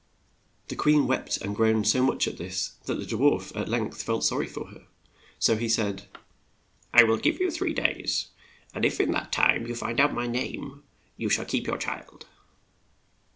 The queen wept and groaned so much at this that the dwarf at length felt sor ry for her, so he said, "I will give you three days, and if in that time you find out my name, you shall keep your child."